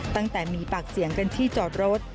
ตั้งแต่มีปากเสียงกันที่จอดรถ